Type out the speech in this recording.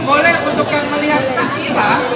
boleh untuk yang melihat sekila